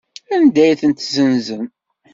Anda ay tent-ssenzen?